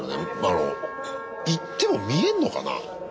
あの行っても見えんのかな？